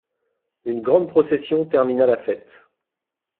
Une grande procession termina la fête.